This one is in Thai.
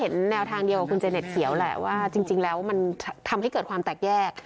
แนวทางเดียวกับคุณเจเน็ตเขียวแหละว่าจริงแล้วมันทำให้เกิดความแตกแยก